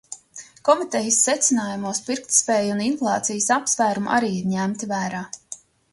Komitejas secinājumos pirktspēja un inflācijas apsvērumi arī ir ņemti vērā.